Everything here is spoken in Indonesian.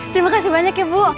terima kasih banyak ya bu